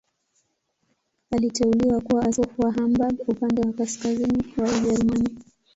Aliteuliwa kuwa askofu wa Hamburg, upande wa kaskazini wa Ujerumani.